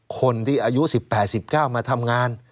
คนที่อายุ๑๘๑๙มาทำงาน